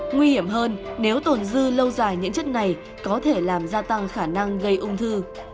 nguy hiểm hơn nếu tồn dư lâu dài những chất này có thể làm gia tăng khả năng gây ung thư